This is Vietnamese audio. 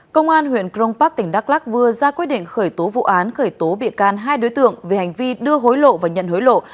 công an huyện crong park tỉnh đắk lắc vừa ra quyết định khởi tố vụ án khởi tố bị can hai đối tượng về hành vi đưa hối lộ và nhận hối lộ